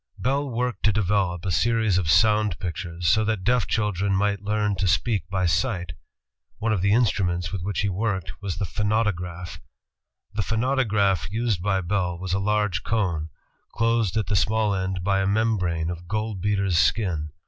Bell worked to develop a series of sound pictures, so that deaf children might learn to speak by sight. One of the instnmients with which he worked was the pho nautograph. The phonautograph used by Bell was a large cone, closed at the small end by a membrane of gold beater's skin.